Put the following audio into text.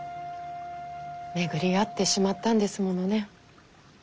巡り会ってしまったんですものね。